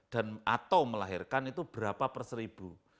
dan atau melahirkan itu berapa perseribu